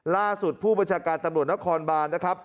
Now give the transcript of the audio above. ผู้บัญชาการตำรวจนครบานนะครับ